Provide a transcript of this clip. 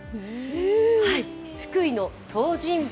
福井の東尋坊。